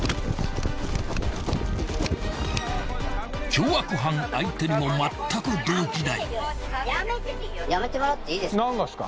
［凶悪犯相手にもまったく動じない］